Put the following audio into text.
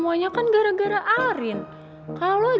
oh lo sengaja ngelakuin hal ini